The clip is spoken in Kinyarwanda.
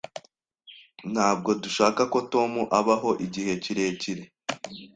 Ntabwo dushaka ko Tom abaho igihe kirekire.